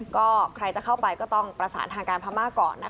ก็ใครจะเข้าไปก็ต้องประสานทางการพม่าก่อนนะคะ